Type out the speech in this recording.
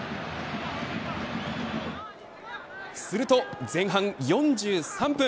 すると前半４３分。